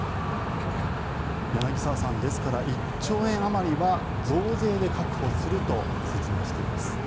柳澤さん、ですから１兆円あまりは増税で確保すると説明しています。